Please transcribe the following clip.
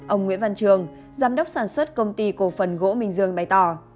ông nguyễn văn trường giám đốc sản xuất công ty cổ phần gỗ bình dương bày tỏ